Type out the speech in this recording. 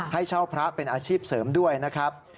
ให้เช่าพระเป็นอาชีพเสริมด้วยนะครับ